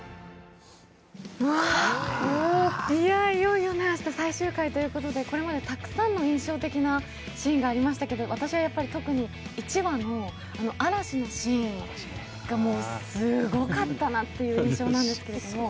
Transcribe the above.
いよいよ明日、最終回ということでこれまでたくさんの印象的なシーンがありましたけれども、私は特に、１話の嵐のシーンがすごかったなという印象なんですけど